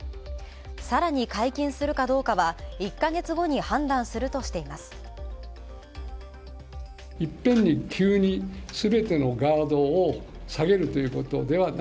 さらに解禁するかどうかは１ヵ月後に判断するとしています。